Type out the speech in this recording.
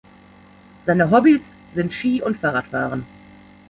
Seine Hobbys sind Ski- und Fahrradfahren.